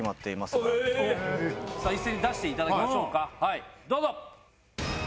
一斉に出していただきましょうどうぞ。